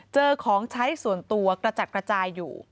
เจอของใช้ส่วนตัวกระจัดกระจายอยู่